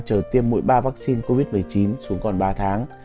chờ tiêm mỗi ba vaccine covid một mươi chín xuống còn ba tháng